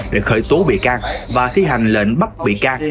để khởi tố bị can và thi hành lệnh bắt bị can